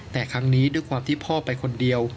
แต่ครั้งนี้ด้วยความที่พ่อไปคนเดียว